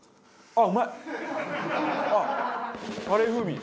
あっ！